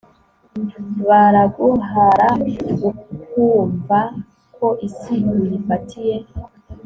baraguhara ukwumva ko isi uyifatiye